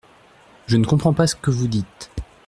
Je ne comprends pas ce que vous dites.